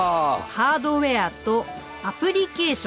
ハードウェアとアプリケーション